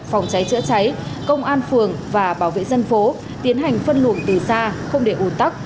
phòng cháy chữa cháy công an phường và bảo vệ dân phố tiến hành phân luồng từ xa không để ủn tắc